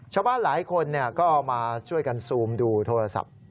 ชาวบ้านหลายคนก็มาช่วยกันซูมดูโทรศัพท์